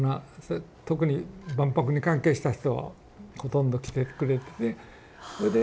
特に万博に関係した人はほとんど来てくれてそれで選ばれて。